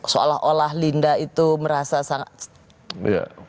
seolah olah linda itu merasa sangat